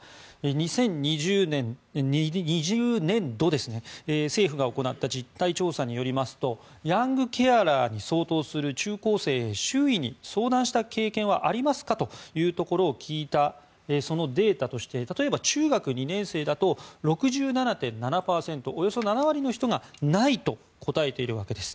２０２０年度に政府が行った実態調査によりますとヤングケアラーに相当する中高生へ周囲に相談した経験はありますかというところを聞いたデータとして例えば中学２年生だと６７．７％およそ７割の人がないと答えているわけです。